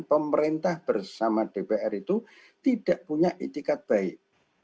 pemerintah bersama dpr itu tidak punya itikat baik